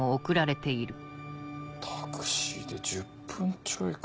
タクシーで１０分ちょいか。